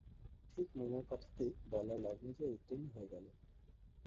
ঠিক মনের কথাটি বলার লগ্ন যে উত্তীর্ণ হয়ে গেল!